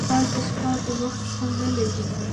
باز د ښکار پر وخت زغم نه لري